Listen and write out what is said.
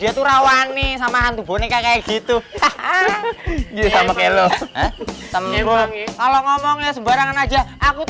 dia tuh rawani sama hantu boneka kayak gitu hahaha kalau ngomongnya sembarangan aja aku tuh